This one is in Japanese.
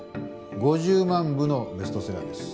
５０万部のベストセラーです。